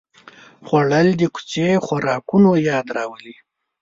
خوړل د کوڅې خوراکونو یاد راولي